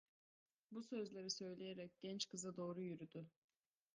Bu sözleri söyleyerek genç kıza doğru yürüdü.